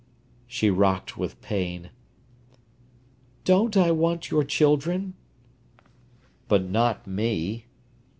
She rocked with pain. "Don't I want your children?" "But not me."